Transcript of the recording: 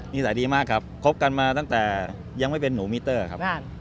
นิสัยดีมากครับคบกันมาตั้งแต่ยังไม่เป็นหนูมิเตอร์ครับ